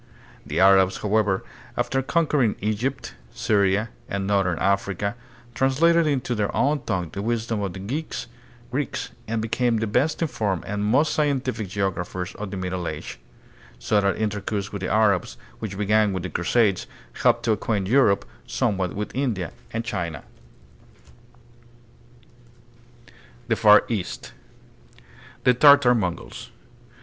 The Arabs, however, after conquer ing Egypt, Syria and northern Africa, translated into their own tongue the wisdom of the Greeks and became the best informed and most scientific geographers of the Middle Age, so that intercourse with the Arabs which 54 THE PHILIPPINES. began with the Crusades helped to acquaint Europe some what with India and China. The Far East. The Tartar Mongols.